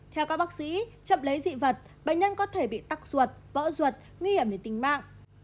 theo các bác sĩ chậm lấy dị vật bệnh nhân có thể bị tắc ruột vỡ ruột nguy hiểm đến tính mạng